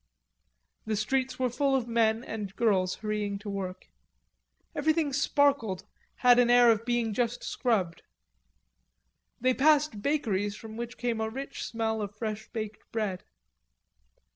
The streets were full of men and girls hurrying to work. Everything sparkled, had an air of being just scrubbed. They passed bakeries from which came a rich smell of fresh baked bread.